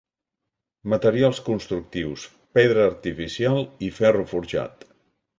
Materials constructius: pedra artificial i ferro forjat.